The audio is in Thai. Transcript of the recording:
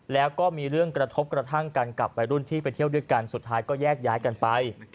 แล้วก็มีเรื่องกระทบกระทั่งกันกับวัยรุ่นที่ไปเที่ยวด้วยกันสุดท้ายก็แยกย้ายกันไป